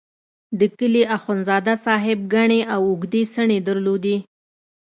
د کلي اخندزاده صاحب ګڼې او اوږدې څڼې درلودې.